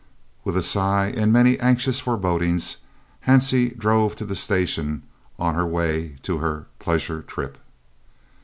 With a sigh and many anxious forebodings, Hansie drove to the station on her way to her "pleasure trip."